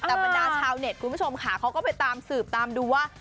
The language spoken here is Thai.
แต่บรรดาชาวเน็ตคุณผู้ชมค่ะเขาก็ไปตามสืบตามดูว่า